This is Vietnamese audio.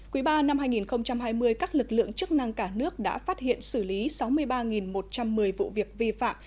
quý ba năm hai nghìn hai mươi các lực lượng chức năng cả nước đã phát hiện xử lý sáu mươi ba một trăm một mươi vụ việc vi phạm